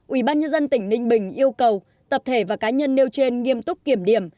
ủy ban nhân dân tỉnh ninh bình yêu cầu tập thể và cá nhân nêu trên nghiêm túc kiểm điểm